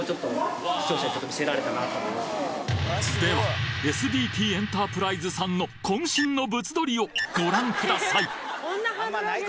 ではＳＤＴエンタープライズさんの渾身の物撮をご覧下さい！